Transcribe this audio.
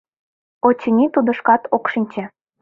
Очыни, тудо шкат ок шинче.